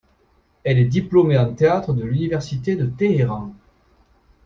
Elle est diplômée en Théâtre de l'Université de Téhéran.